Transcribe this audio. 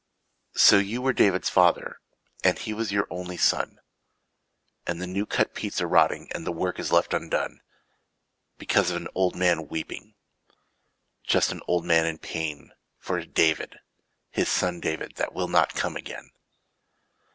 lO you were David's father, And he was your only son, And the new cut peats are rotting And the work is left undone. Because of an old man weeping, Just an old man in pain. For David, his son David, That will not come again.